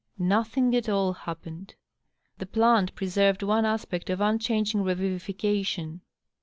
Nothing at all happened. The plant preserved one aspect of unchanging revivification.